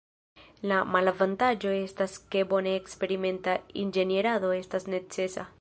La malavantaĝo estas ke bone eksperimenta inĝenierado estas necesa.